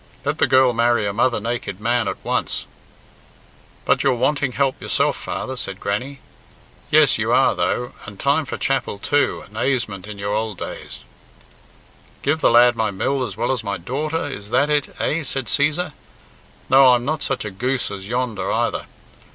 Let the girl marry a mother naked man at once." "But you're wanting help yourself, father," said Grannie. "Yes, you are though, and time for chapel too and aisément in your old days " "Give the lad my mill as well as my daughter, is that it, eh?" said Cæsar. "No, I'm not such a goose as yonder, either.